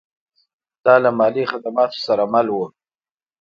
دا له مالي خدماتو سره مل و